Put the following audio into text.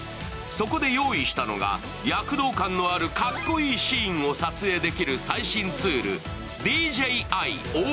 そこで用意したのが、躍動感のあるかっこいいシーンを最新ツールＤＪＩＯＭ５。